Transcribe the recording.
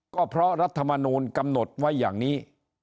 ก็เพราะรัฐมนูลกำหนดไว้อย่างนี้